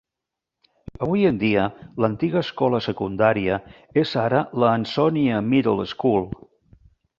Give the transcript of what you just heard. Avui en dia l'antiga escola secundària és ara l'Ansonia Middle School.